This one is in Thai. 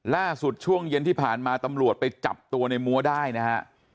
ช่วงเย็นที่ผ่านมาตำรวจไปจับตัวในมัวได้นะฮะ